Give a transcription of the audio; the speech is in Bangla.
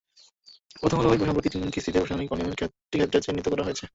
প্রথমআলোয় সম্প্রতি তিন কিস্তিতে প্রশাসনিক অনিয়মের কয়েকটি ক্ষেত্র চিহ্নিত করা হয়েছে।